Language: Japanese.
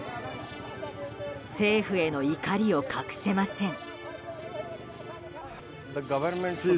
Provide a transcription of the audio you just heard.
政府への怒りを隠せません。